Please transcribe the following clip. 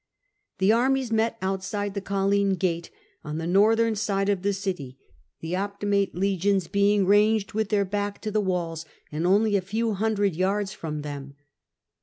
The armies met outside the Colline gate, on the northern side of the city, the Optimate legions 144 SULLA being ranged with their back to the walls, and only a few hundred yards from them.